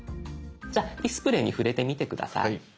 じゃ「ディスプレイ」に触れてみて下さい。